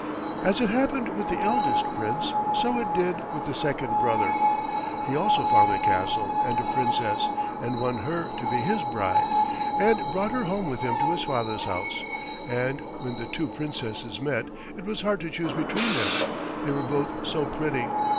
As it happened with the eldest Prince, so it did with the second brother. He also found a castle and a Princess, and won her to be his bride, and brought her home with him to his father's house; and when the two Princesses met it was hard to choose between them, they were both so pretty.